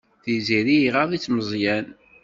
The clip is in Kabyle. Tiziri iɣaḍ-itt Meẓyan.